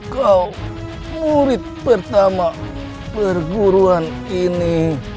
kau murid pertama perguruan ini